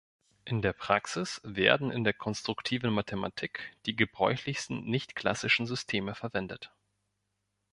In der Praxis werden in der konstruktiven Mathematik die gebräuchlichsten nichtklassischen Systeme verwendet.